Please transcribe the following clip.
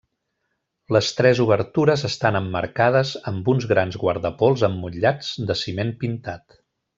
Les tres obertures estan emmarcades amb uns grans guardapols emmotllats de ciment pintat.